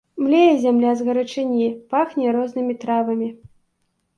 Млее зямля з гарачыні, пахне рознымі травамі.